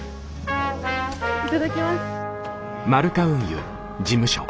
いただきます。